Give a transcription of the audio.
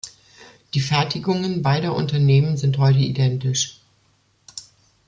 Die Fertigungen beider Unternehmen sind heute identisch.